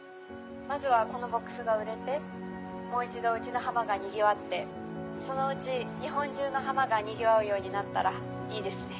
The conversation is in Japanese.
まずはこのボックスが売れてもう一度うちの浜がにぎわってそのうち日本中の浜がにぎわうようになったらいいですね。